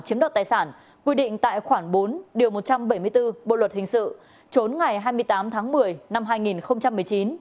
chiếm đoạt tài sản quy định tại khoản bốn điều một trăm bảy mươi bốn bộ luật hình sự trốn ngày hai mươi tám tháng một mươi năm hai nghìn một mươi chín